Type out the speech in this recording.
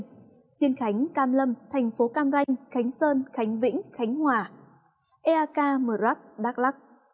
diên khánh cam lâm thành phố cam ranh khánh sơn khánh vĩnh khánh hòa eak mờ rắc đắk lắc